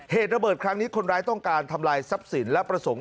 เหตุระเบิดครั้งนี้คนร้ายต้องการทำลายทรัพย์สินและประสงค์